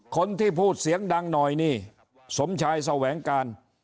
คนที่พูดเสียงดังหน่อยนี่สมชายแสวงการ